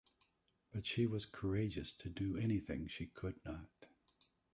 But she was courageous to do anything she could not.